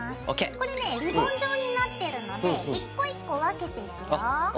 これねリボン状になってるので一個一個分けていくよ。ＯＫ。